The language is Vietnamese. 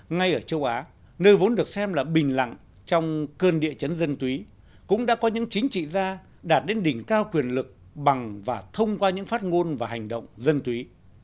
ngay ở châu á nơi vốn được xem là bình lặng trong cơn địa chấn dân túy cũng đã có những chính trị gia đạt đến đỉnh cao quyền lực bằng và thông qua những phát ngôn và hành động dân túy